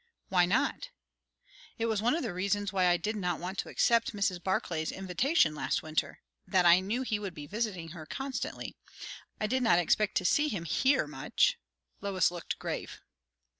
"Why not?" "It was one of the reasons why I did not want to accept Mrs. Barclay's invitation last winter, that I knew he would be visiting her constantly. I did not expect to see him here much." Lois looked grave.